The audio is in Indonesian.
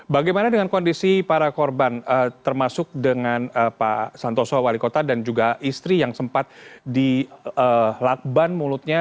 bagaimana dengan kondisi para korban termasuk dengan pak santoso wali kota dan juga istri yang sempat dilakban mulutnya